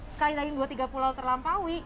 sekali lagi dua tiga pulau terlampaui